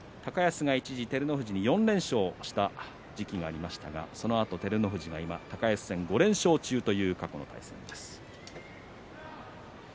高安が一時、照ノ富士に４連勝した時期がありましたがそのあと、照ノ富士は今高安戦５連勝中という過去の対戦です。